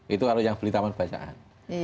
itu kalau yang beli taman bacaan